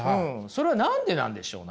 それは何でなんでしょう？